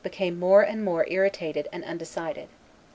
became more and more irritated and undecided.